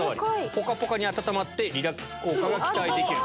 ポカポカに温まってリラックス効果が期待できる。